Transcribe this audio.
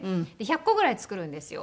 １００個ぐらい作るんですよ。